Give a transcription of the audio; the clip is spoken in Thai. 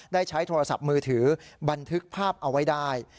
ได้ใช้โทรศัพท์มือถือบันทึกภาพเอาไว้ได้